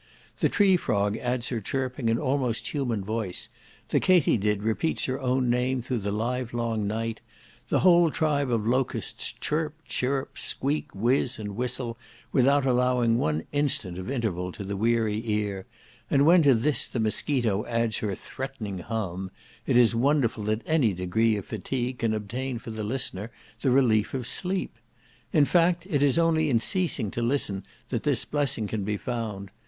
The tree frog adds her chirping and almost human voice; the kattiedid repeats her own name through the livelong night; the whole tribe of locusts chirp, chirrup, squeak, whiz, and whistle, without allowing one instant of interval to the weary ear; and when to this the mosquito adds her threatening hum, it is wonderful that any degree of fatigue can obtain for the listener the relief of sleep. In fact, it is only in ceasing to listen that this blessing can be found.